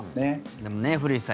でもね、古市さん